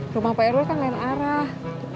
rumah pak rw kan lain arah